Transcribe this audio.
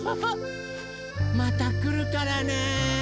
またくるからね！